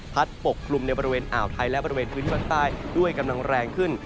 ปกกลุ่มในบริเวณอ่าวไทยและบริเวณพื้นที่ภาคใต้ด้วยกำลังแรงขึ้น